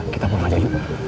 kita pulang aja yuk